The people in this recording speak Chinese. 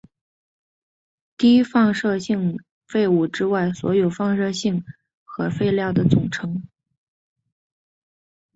低放射性废物之外所有放射性核废料的总称。